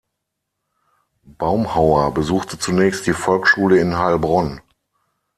Baumhauer besuchte zunächst die Volksschule in Heilbronn.